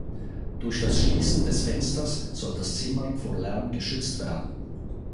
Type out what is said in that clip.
Durch das Schließen des Fensters soll das Zimmer vor Lärm geschützt werden.